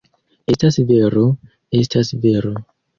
Estas vero, estas vero!